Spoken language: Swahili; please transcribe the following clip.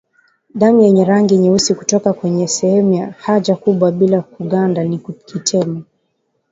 Damu yenye rangi nyeusi kutoka kwenye sehemu ya haja kubwa bila kuganda ni kimeta